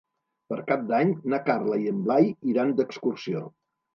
Per Cap d'Any na Carla i en Blai iran d'excursió.